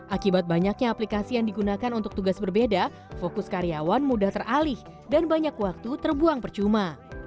akibat banyaknya aplikasi yang digunakan untuk tugas berbeda fokus karyawan mudah teralih dan banyak waktu terbuang percuma